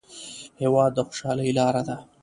هېواد د خوشحالۍ لار ده.